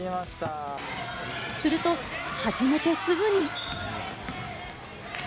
すると始めてすぐに。